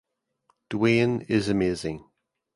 Dwayne is amazing.